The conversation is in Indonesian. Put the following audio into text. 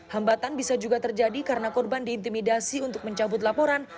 hambatan bisa juga terjadi karena korban diintimidasi untuk mencabut laporan